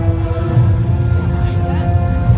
สโลแมคริปราบาล